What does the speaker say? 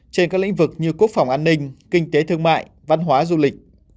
trên các lĩnh vực như quốc phòng an ninh kinh tế thương mại văn hóa du lịch